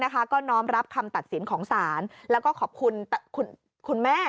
ก็น้อมรับคำตัดสินของศาลแล้วก็ขอบคุณคุณแม่